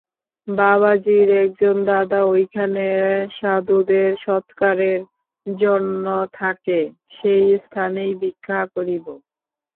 বাবাজীর একজন দাদা ঐখানে সাধুদের সৎকারের জন্য থাকে, সেই স্থানেই ভিক্ষা করিব।